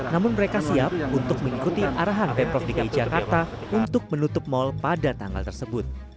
namun mereka siap untuk mengikuti arahan pemprov dki jakarta untuk menutup mal pada tanggal tersebut